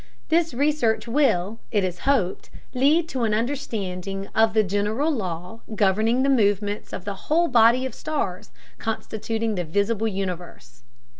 This research will, it is hoped, lead to an understanding of the general law governing the movements of the whole body of stars constituting the visible universe.